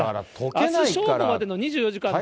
あす正午までの２４時間で。